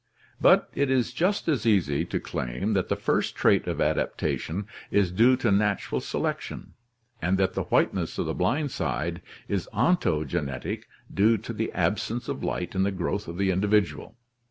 But it is just as easy to claim that the first trait of adaptation is due to natural selection, and that the whiteness of the blind side is onto genetic due to the absence of light in the growth of the individual.